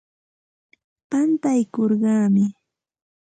Pantaykurquumi.